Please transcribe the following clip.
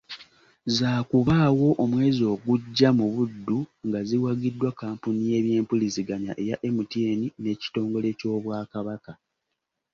Zaakubaawo omwezi ogujja mu Buddu nga ziwagiddwa kkampuni y’ebyempuliziganya eya MTN n’ekitongole ky’Obwakabaka .